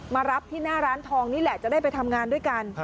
มารับที่หน้าร้านทองนี่แหละจะได้ไปทำงานด้วยกัน